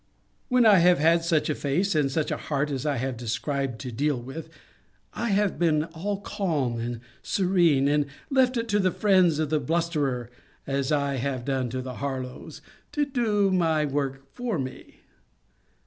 When I have had such a face and such a heart as I have described to deal with, I have been all calm and serene, and left it to the friends of the blusterer (as I have done to the Harlowes) to do my work for me.